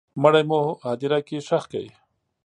مړی مو هدیره کي ښخ کړی